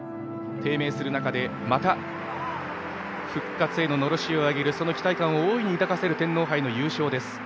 低迷する中でまた復活へののろしを上げるその期待感を大いに抱かせる天皇杯の優勝です。